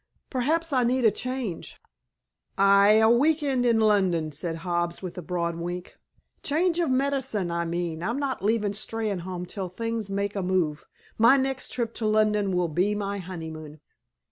Perhaps I need a change." "'Ave a week end in Lunnon," said Hobbs, with a broad wink. "Change of medicine, I mean. I'm not leaving Steynholme till things make a move. My next trip to London will be my honeymoon."